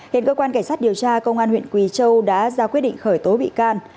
hiện cơ quan cảnh sát điều tra công an huyện quỳ châu đã ra quyết định khởi tố bị can